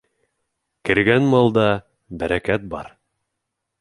Кергән малда бәрәкәт бар.